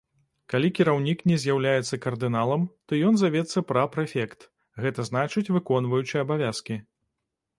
Калі кіраўнік не з'яўляецца кардыналам, то ён завецца пра-прэфект, гэта значыць выконваючы абавязкі.